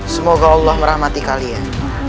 semoga allah merahmati kalian